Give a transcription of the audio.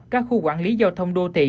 các khu quản lý giao thông đô thị